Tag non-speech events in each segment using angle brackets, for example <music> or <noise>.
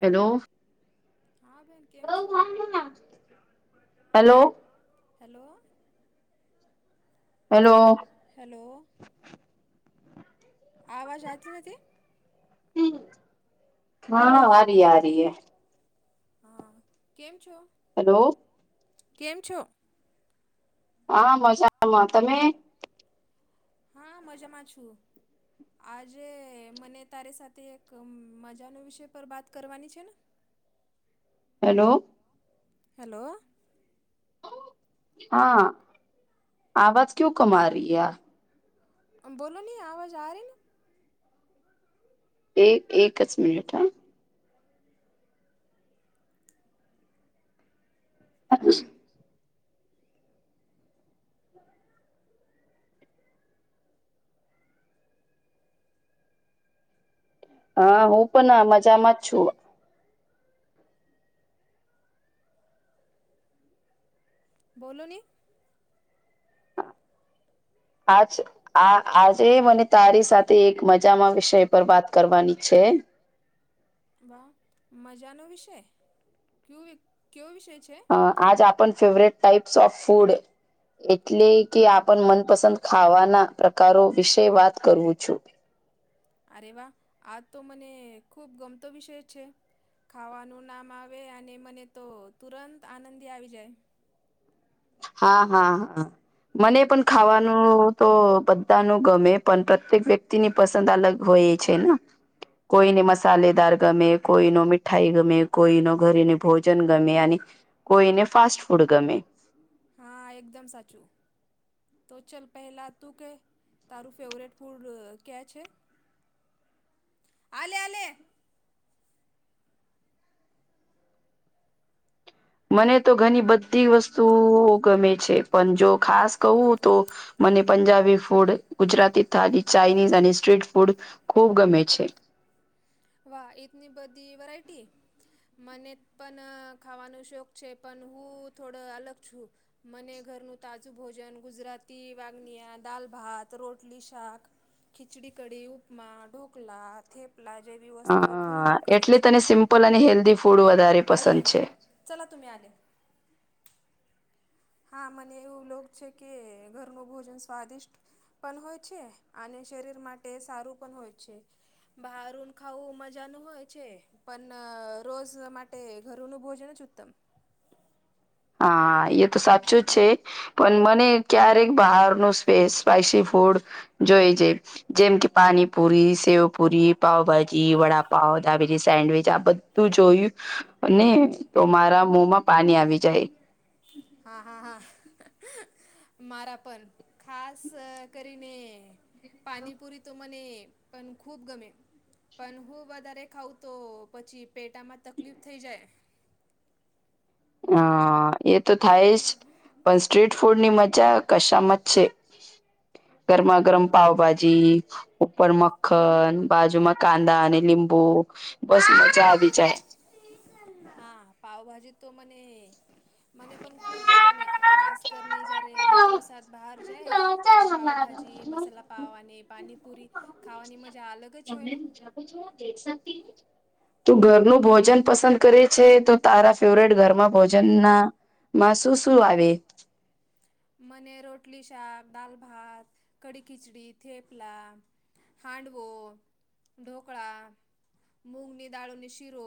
Hello હા બેન કેમ છો? હલો. હેલો. હેલો. હેલો. આવાજ આવતી નથી. હા હેલો આ રહી આ રહી હે. હા કેમ છો. હેલો. કેમ છો. હા મજામાં તમે. હા મજામાં છું. આજે મને તારી સાથે એક મજાનો વિષય પર બાત કરવાની છે ને. હેલો. હેલો. હા આવાજ કયુ કમ આ રહિયા. બોલોની આવાજ આ રહી ના. એ એક જ મિનટ હા. <unintelligible> હા હું પણ મજામાં જ છું. બોલો ને. આજ આ આજે મને તારી સાથે એક મજામાં વિષય પર વાત કરવાની છે. <unintelligible> વા મજાનો વિષય કયુ કયો વિષય. છે અ આજ આપણ ફેવરેટ ટાઈપ્સ ઓફ ફૂડ. એટલે કે આપણ મનપસંદ ખાવાના પ્રકારો વિશે વાત કરવું છું. અરે વા આ તો મને ખુબ ગમતો વિષય છે. ખાવાનું નામ આવે અને મને તો તુરંત આનંદી આવી જાય. હા હા હા મને પણ ખાવાનું. તો બધા ન ગમે પણ પ્રત્યેક વ્યક્તિની પસંદ અલગ હોય છે ના. કોઈને મસાલેદાર ગમે કોઈ ન મીઠાઈ ગમે કોઈ ન ઘરે ભોજન ગમે અને. કોઈને ફાસ્ટ ફૂડ ગમે. હા એકદમ સાચું. તો ચલ પહેલાં તું કે તારું ફેવરેટ ફૂડ ક્યાં છે. આલે આલે. મને તો ઘની બધી વસ્તુઓ ગમે છે. પણ જો ખાસ કહું તો મને પંજાબી ફૂડ ગુજરાતી થાલી, ચાઇનીઝ અને સ્ટ્રીટ ફૂડ ખૂબ ગમે છે. વાહ ઈતની બધી વરાયટી? મને પન ખાવાનો શોખ છે, પન હું થોડો અલગ છું. મને ઘરનું તાજું ભોજન, ગુજરાતી વાગનિયા દાલ, ભાત, રોટલી, શાક ખિચડી કડી, ઉપમા, ઢોકલા, થેપલા જેવી અ વસ્તુઓ ખુબ ગમે એટલે છે. તને સિમ્પલ અને હેલ્ધી ફૂડ વધારે આઈયે. પસંદ છે ચલા તુમી આલે. હા મને એવું લોગ છે કે ઘરનું ભોજન સ્વાદિષ્ટ પણ હોય છે અને શરીર માટે સારું પણ હોય છે. બહારુંન ખાવું મજાનું હોય છે. પન રોજ માટે ઘરનું ભોજન જ ઉત્તમ. હા એ તો સાચું જ છે, પણ મને ક્યારેક બહારનું સ્પેસ સ્પાઈસી ફૂડ જોઈ જે જન જેમ કે પાણીપુરી, સેવપુરી, પાાવભાજી, વડાપાવ, દાબેલી, સેન્ડવીચ આ બધ તું જોયું ને તો મારા મોમાં પાણી આવી જાય. હા, હા, હા. મારા પન ખાસ કરીને પાણીપુરી તો મને પણ ખૂબ ગમે. પણ હું વધારે ખાઉં તો પછી પેટામાં તકલીફ થઈ જાય. હા એ તો થાય જ પણ સ્ટ્રીટ ફૂડની મજા કસામ જ છે. ગરમા ગરમ પાાવભાજી, ઉપરમ ખન, બાજુમાં કાંદા અને લીંબુ બસ મજા આવી જાય. હા પાવભાજી તો મને મને પણ ખૂબ ગમે, ખાસ કરીને જયારે મિત્રો સાથ બહાર જાય. ત્યારે પાાવભાજી, મસાલા પાવ આની પાનીપુરી ખાવાની મજા અલગ જ હોય ને? તું ઘર નું ભો ભોજન પસંદ કરે છે, તો તારા ફેવરેટ ઘરમાં ભોજન ના માં શું શું આવે? મને રોટલી, શાક, દાલ, ભાત, કઢી, ખિચડી, થેપલા. હાંડવો, ઢોકળા, મૂગની દાળૂની શીરો.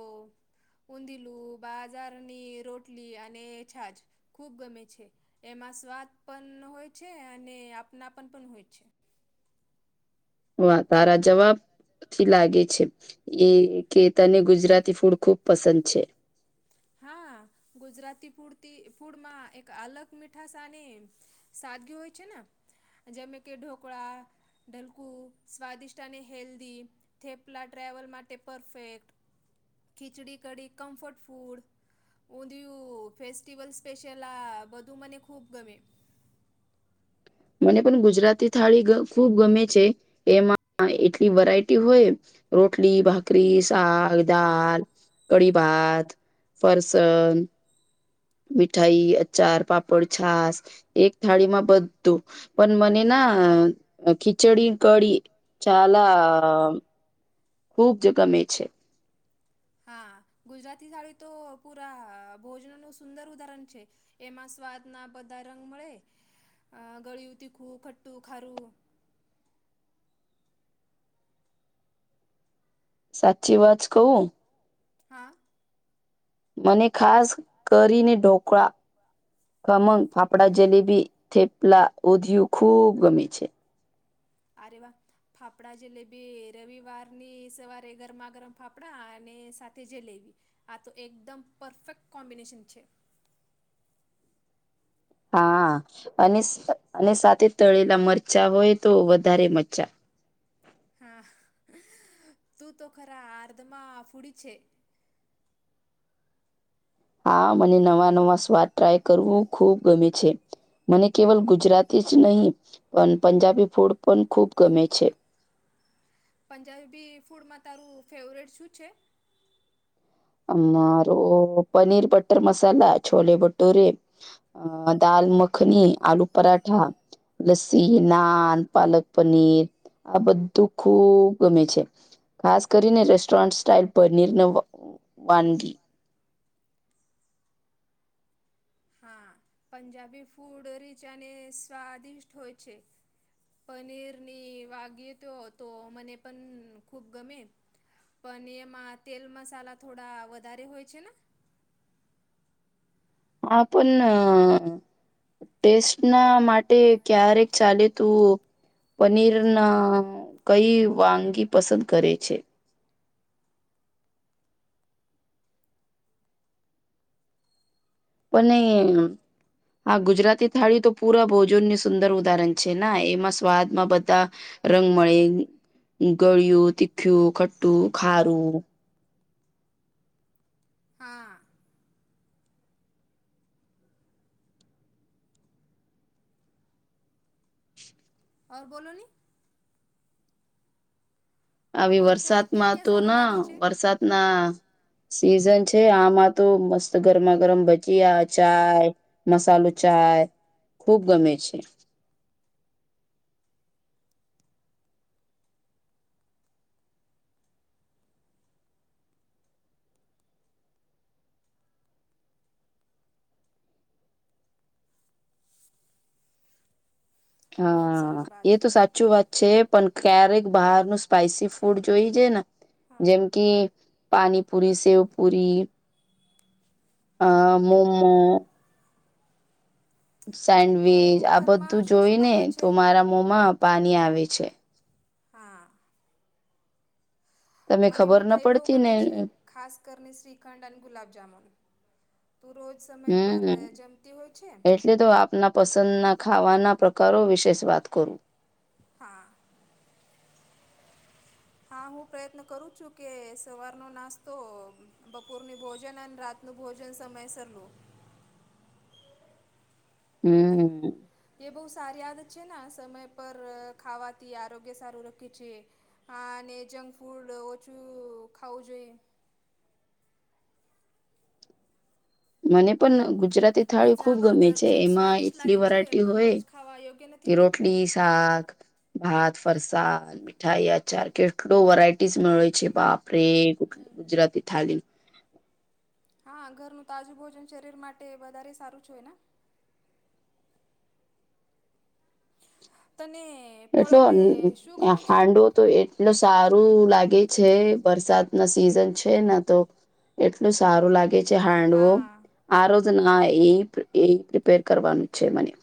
ઊંધિલું, બાજારની રોટલી અને છાજ. ખૂબ ગમે છે એમાં સ્વાદ પન હોય છે અને આપનાપન પણ હોય છે. વાહ તારા જવાબ થી લાગે છે. કે કે તને ગુજરાતી ફૂડ ખુબ પસંદ છે. હા ગુજરાતી ફૂડથી ફૂડમાં એક અલગ મીઠાશ અને સાદગી હોય છે ને જેમે કે ઢોકળા ઢલકું સ્વાદિષ્ટ અને હેલ્ધી થેપલા ટ્રાવલ માટે perfect. Khichdi, kadhi comfort food. Undhiyu festival special આ બધું મને ખૂબ ગમે. મને પણ ગુજરાતી થાળી ખૂબ ગમે છે, એમાં એટલી વે રાયટી હોય રોટલી, ભાકરી, શાક, દાલ, કઢી ભાત. ફરસન. મીઠાઈ, અચાર, પાપડ, છાસ. એક થાળીમાં બધું પણ મને ના ખીચડી, કળી ચાલા ખુબ જ ગમે છે. હા ગુજરાતી થાળી તો પુરા ભોજન નું સુંદર ઉદાહરણ છે. એમાં સ્વાદ ના બધા રંગ મળે ગળિયું, તીખું, ખટ્ટું, ખારું. સાત હા? મને ખાસ કરીને ઢોકળા ખમણ ફાફડા જલેબી થેપલા ઉધયું ખુબ ગમે છે. અરે વાહ. ફાફડા જલેબી રવિવારની સવારે ગરમા ગરમ ફાફડા અને સાથે જલેબી. આ તો એકદમ પરફેક્ટ કોમ્બિનેશન છે. હા અને અને સાથે તળેલા મરચાં હોય તો વધારે મજા. હા તું તો ખરા અર્ધમાં ફૂડી છે. હા મને નવા નવા સ્વાદ ટ્રાય કરવું ખૂબ ગમે છે. મને કેવલ ગુજરાતી જ નહીં પણ પંજાબી ફૂડ પણ ખૂબ ગમે છે. પંજાબી ફૂડમાં તારું ફેવરેટ શું છે. અમારો પનીર બટર મસાલા છોલે ભટુરે અ દાલ મખની આલુ પરાઠા લસ્સી નાન પાલક પનીર આ બધું ખુબ ગમે છે. ખાસ કરીને રેસ્ટોરન્ટ સ્ટાઇલ પનીર ને એવું વાનગી હા પંજાબી ફૂડ રીચ અને સ્વાદિષ્ટ હોય છે. પનીર ની વાગી તો તો મને પણ ખૂબ ગમે. પણ એમાં તેલ મસાલા થોડા વધારે હોય છે ને. હા પણ ટેસ્ટ ના માટે ક્યારેક ચાલે તું પનીર ના કઈ વાનગી પસંદ કરે છે. પણ એમ હા ગુજરાતી થાળી તો પુરા ભોજનની સુંદર ઉદાહરણ છે ના એમાં સ્વાદમાં બધા રંગમળે ગળિયું તીખું ખટ્ટું ખારું. હા. હોર બોલો ની. આવી ઓર કો ક્યાં વરસાદમાં ક્યાં તો સારો ના લાગે છે? વરસાદ ના સિઝન છે આમાં તો મસ્ત ગરમા ગરમ ભજીયા ચાય મસાલો ચાય ખુબ ગમે છે. બહુત હા સરસ વાત એ છે તો સાચું વાત છે પણ ક્યારેક બહારનું સ્પાઈસી ફૂડ જોઈ છે ને હા જેમ કે પાણીપુરી સેવ પુરી આ મોમો સેન્ડવીચ તું આ ઘરમાં બધું શું શું જોઈ ને બનવા તો છે મારા મોમાં પાણી આવે છે. હા. તમે મને ખબર ના મીઠાઈ બહુ પડતી ને ગમે છે. ખાસ કરીને શ્રીખંડ અને ગુલાબજામુન તું રોજ સમય પર જમતી હોય છે. ના પસંદના ખાવાના પ્રકારો વિશેષ વાત કરું. હા. હા હું પ્રયત્ન કરું છું કે સવારનો નાસ્તો બપોરની ભોજન અને રાત નું ભોજન સમયસર લો. હમ્મ. એે બહુ સારી આદત છે ને આ સમય પર ખાવાતી આરોગ્ય સારું રખે છે. હા અને જંક ફૂડ ઓછું ખાવું જોઈએ. મને પણ ગુજરાતી થાળી ખુબ પીઝા ગમે બર્ગર છે ચીપ્સ એમાં સ્વાદિષ્ટ એટલી લાગે છે વરાયટી પણ હોય રોજ ખાવા યોગ્ય કે નથી ને. રોટ ડી શાખ ભાત ફરસા મિઠાઈ આચાર કેટલો વરાયટીઝ મળે છે બાપરે. હમ. ગુજરાતી થાલી હા ઘરનું તાજું ભોજન શરીર માટે વધારે સારું જ હોય ને. તને ફળો એટલો મેં શું અ ગમે છે. હાંડવો તો એટલ સારું લાગે છે વરસાદ ના સિઝન છે ને તો એટલું સારું લાગે છે હાંડવો હા આ રોજ ના એ એ પ્રિપેર કરવાનું છે મને.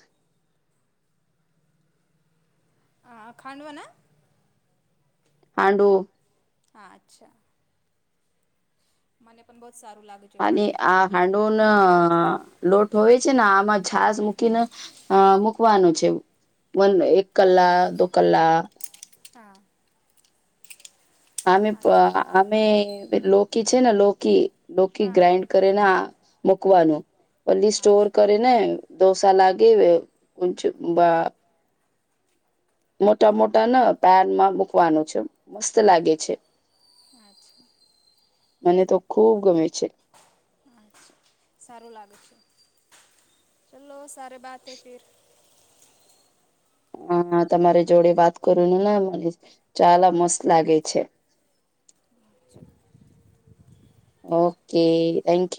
હ ખાંડવાને. હાંડુ. હા અચ્છા <unintelligible> મને પણ બહુ જ સારું લાગે. છે અને ખાંડવું. આ હાંડવનો લોટ હોય છે ને આમાં છાસ મૂકીને. અ મૂકવાનું છે એક કલાક દો કલાક હા. અમે અચ્છા અમે લોકી છે ને લોકી લોકી હા ગ્રાાઈન્ડ. કરીને આ મકવાનું પલી સ્ટોર અચ્છા કરીને દોશ લગે કોચ બા મોટા મોટા ને પેનમાં મૂકવાનું છે મસ્ત લાગે છે. અચ્છા મે. ખૂબ ગમે છે. અચ્છા સારું લાગે છે ચાલો સારે બાત હૈ ફિર હ તમારી જોડે વાત કરું ને મને ચાાલ મસ્ત લાગે છે. Okay thank you